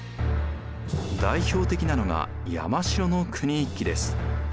代表的なのが山城の国一揆です。